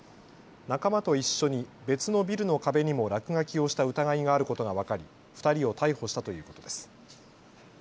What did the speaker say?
仲間と一緒に別のビルの壁にも落書きをした疑いがあることが分かり２人を逮捕したということです。